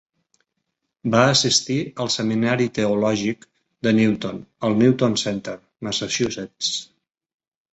Va assistir al Seminari Teològic de Newton al Newton Center, Massachusetts.